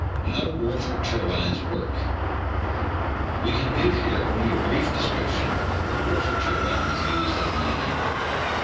How Water Turbines Work We can give here only a brief description of the water tur bines used at Niagara.